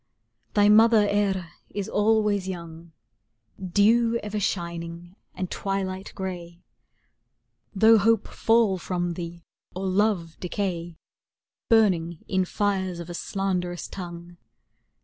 Thy mother Eire is always young, Dew ever shining and twilight gray ; Though hope fall from thee or love decay Burning in fires of a slanderous tongue.